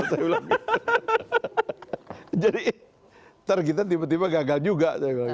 jadi nanti kita tiba tiba gagal juga